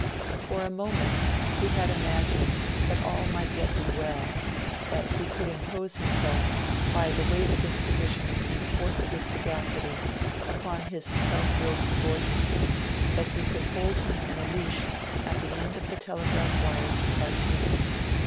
For a moment, he had imagined that all might yet be well; that he could impose himself, by the weight of his position and the force of his sagacity, upon his self willed subordinate; that he could hold him in a leash at the end of the telegraph wire to Khartoum.